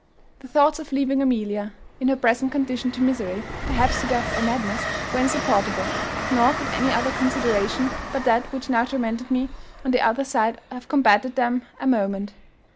The thoughts of leaving Amelia in her present condition to misery, perhaps to death or madness, were insupportable; nor could any other consideration but that which now tormented me on the other side have combated them a moment."